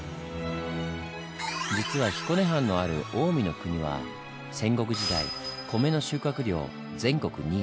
実は彦根藩のある近江国は戦国時代米の収穫量全国２位。